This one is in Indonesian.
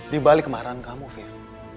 dibalik kemarahan kamu viv